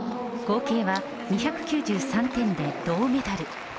合計は２９３点で銅メダル。